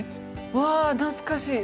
うわあ、懐かしい。